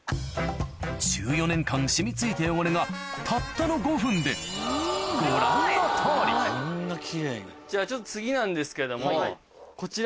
１４年間染み付いた汚れがたったの５分でご覧のとおり次なんですけども。